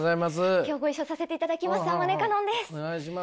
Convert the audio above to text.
今日ご一緒させていただきます天希かのんです！